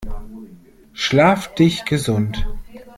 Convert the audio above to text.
Schlaf dich gesund!